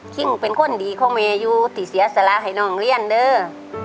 คิงเป็นคนดีของแม่อยู่ที่เสียสละให้น้องเรียนเด้อ